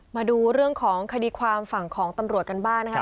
มาดูเรื่องของคดีความฝั่งของตำรวจกันบ้างนะครับ